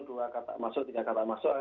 dua kata masuk tiga kata masuk